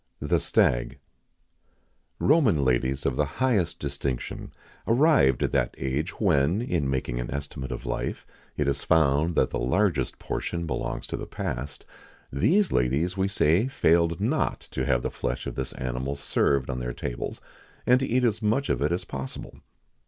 [XIX 46] THE STAG. Roman ladies of the highest distinction, arrived at that age when, in making an estimate of life, it is found that the largest portion belongs to the past these ladies, we say, failed not to have the flesh of this animal served on their tables, and to eat as much of it as possible.